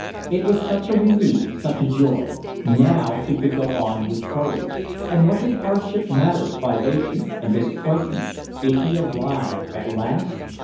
It was such a relief, such a joy! Now he could go on with courage; and what did hardship matter, privation, and disappointment, if he arrived at last?